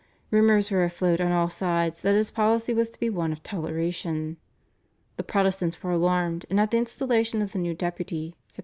Rumours were afloat on all sides that his policy was to be one of toleration. The Protestants were alarmed and at the installation of the new Deputy (Sept.